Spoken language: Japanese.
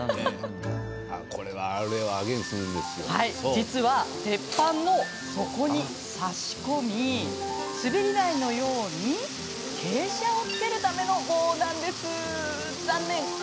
実は、鉄板の底に差し込み滑り台のように傾斜をつけるための棒。